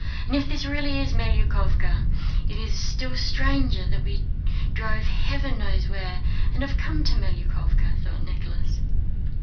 And if this is really Melyukóvka, it is still stranger that we drove heaven knows where and have come to Melyukóvka," thought Nicholas.